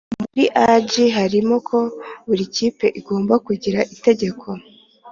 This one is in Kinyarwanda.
muri A G harimo ko buri kipe igomba kugira itegeko